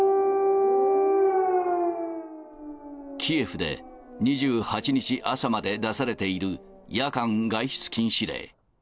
キエフで２８日朝まで出されている夜間外出禁止令。